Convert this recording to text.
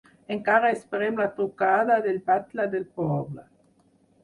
Encara esperem la trucada del batlle del poble.